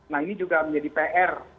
nah ini juga menjadi pr